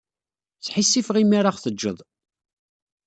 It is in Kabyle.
Sḥissifeɣ imi ara aɣ-tejjeḍ.